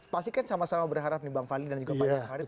pasti kan sama sama berharap nih bang farid dan juga pak ian farid